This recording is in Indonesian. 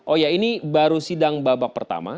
oh ya ini baru sidang babak pertama